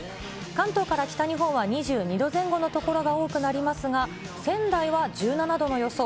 関東から北日本は２２度前後の所が多くなりますが、仙台は１７度の予想。